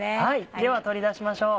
では取り出しましょう。